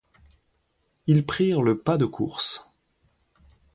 Ils prirent le pas de course.